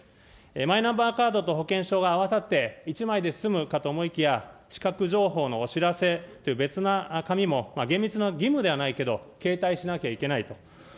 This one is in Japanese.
マイナンバーカードと保険証が合わさって、１枚で済むかと思いきや、資格情報のお知らせと、別な紙も、厳密な義務ではないけど、携帯しなきゃいけないと。